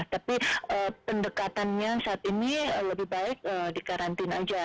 tapi pendekatannya saat ini lebih baik dikarantin aja